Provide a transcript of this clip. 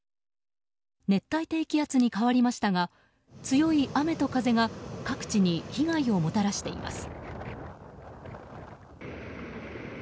熱帯低気圧に変わりましたが強い雨と風が各地に被害をもたらしています。